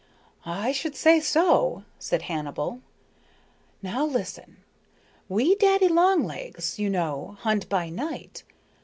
"I should say so," said Hannibal. "Now listen. We daddy long legs, you know, hunt by night.